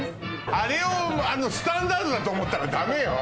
あれをスタンダードだと思ったらダメよ。